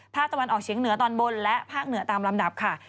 ตะวันออกเฉียงเหนือตอนบนและภาคเหนือตามลำดับค่ะ